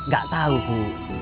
gak tau bu